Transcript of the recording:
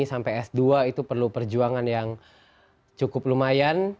sampai s dua itu perlu perjuangan yang cukup lumayan